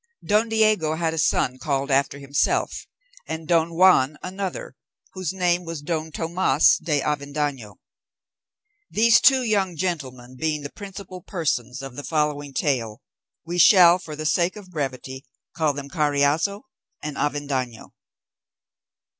Don Diego had a son called after himself, and Don Juan another, whose name was Don Tomas de Avendaño. These two young gentlemen being the principal persons of the following tale, we shall for the sake of brevity call them Carriazo and Avendaño.